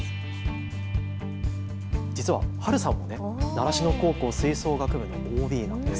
実は晴さんも習志野高校吹奏楽部のＯＢなんです。